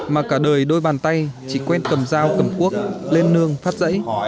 mà cả đời đôi bàn tay chỉ quen cầm dao cầm cuốc lên nương phát dãy